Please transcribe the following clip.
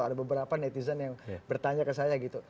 ada beberapa netizen yang bertanya ke saya gitu